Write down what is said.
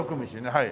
はい。